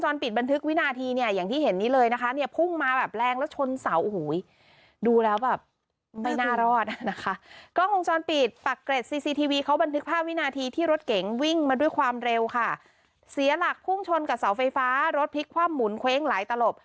นึกภาพวินาทีที่รถเก๋งวิ่งมาด้วยความเร็วค่ะเสียหลักพุ่งชนกับเสาไฟฟ้ารถพลิกคว่ำหมุนเคว้งหลายตลบ